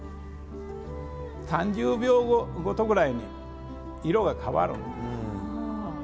３０秒ごとぐらいに色が変わるんです。